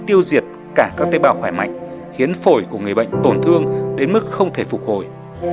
tiêu diệt cả các tế bào khỏe mạnh khiến phổi của người bệnh tổn thương đến mức không thể phục hồi